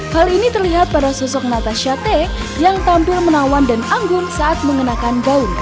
hal ini terlihat pada sosok natasha t yang tampil menawan dan anggun saat mengenakan gaun